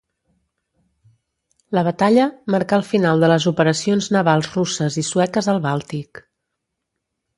La batalla marcà el final de les operacions navals russes i sueques al Bàltic.